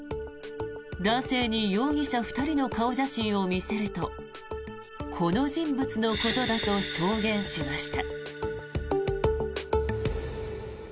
男性に容疑者２人の顔写真を見せるとこの人物のことだと証言しました。